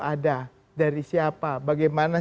ada dari siapa bagaimana